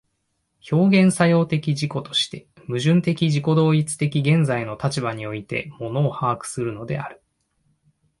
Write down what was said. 表現作用的自己として、矛盾的自己同一的現在の立場において物を把握するのである。